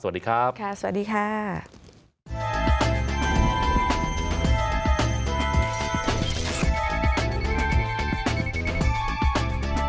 สวัสดีครับค่ะสวัสดีค่ะค่ะสวัสดีค่ะ